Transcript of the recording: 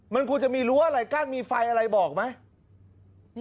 มันควรจะมีรั้วอะไรกั้นมีไฟอะไรบอกไหม